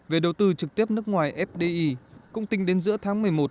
về đầu tư trực tiếp nước ngoài fdi cũng tính đến giữa tháng một mươi một